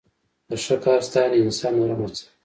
د ښه کار ستاینه انسان نور هم هڅوي.